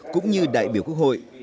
cũng như đại biểu quốc hội